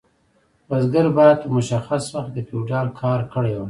بزګر باید په مشخص وخت کې د فیوډال کار کړی وای.